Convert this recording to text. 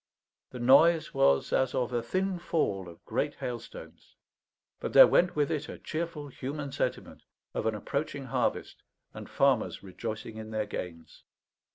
The noise was as of a thin fall of great hailstones; but there went with it a cheerful human sentiment of an approaching harvest and farmers rejoicing in their gains.